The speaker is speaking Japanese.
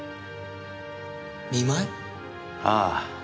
ああ。